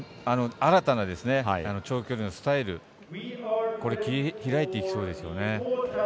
新たな長距離のスタイル切り開いていきそうですよね。